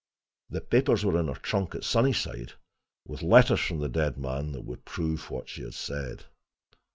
The papers were in her trunk at Sunnyside, with letters from the dead man that would prove what she said.